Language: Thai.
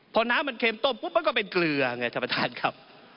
พอน้ำมันเค็มต้มปุ๊บมันก็เป็นเกลือไงท่านประธานครับ